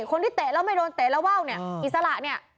คนที่เตะแล้วไม่โดนเตะแล้วว่าวเนี่ยอิสระเนี่ย